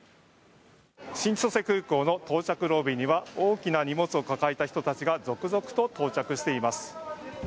新千歳空港の到着ロビーには大きな荷物を抱えた人たちが続々と到着しています。